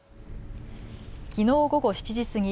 きのう午後７時過ぎ